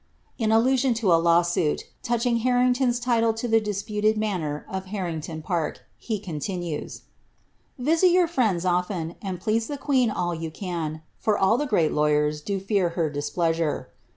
" In allusion to a iw euit, touching Harrington's title to the disputed manor of Harrington ^ark, he continues, ^ Visit your friends often, and please the queen all on can, for all the great lawyen do fear her displeasure.